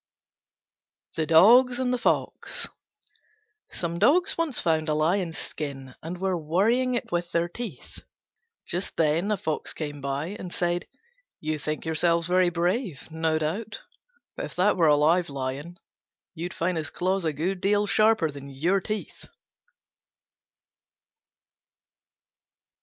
THE DOGS AND THE FOX Some Dogs once found a lion's skin, and were worrying it with their teeth. Just then a Fox came by, and said, "You think yourselves very brave, no doubt; but if that were a live lion you'd find his claws a good deal sharper than your teeth."